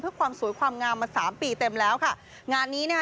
เพื่อความสวยความงามมาสามปีเต็มแล้วค่ะงานนี้นะคะ